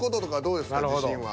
自信は。